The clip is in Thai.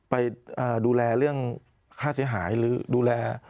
ไปดูแลเรื่องค่าเสียหายหรือดูแล